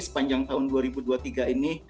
sepanjang tahun dua ribu dua puluh tiga ini